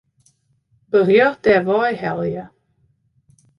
Berjocht dêrwei helje.